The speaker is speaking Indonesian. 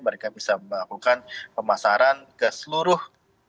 mereka bisa melakukan pemasaran ke seluruh